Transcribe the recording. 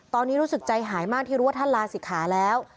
ตอนนี้รู้สึกใจหายมากที่รู้ว่าท่านลาศิกขาแล้ว